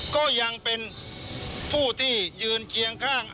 ก็ยังเป็นผู้ที่ยืนเคียงข้าง